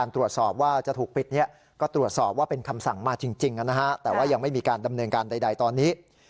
ตรวจสอบว่าเป็นคำสั่งมาจริงนะครับแต่ว่ายังไม่มีการดำเนินการใดตอนนี้